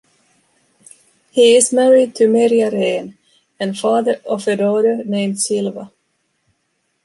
He is married to Merja Rehn, and father of a daughter named Silva.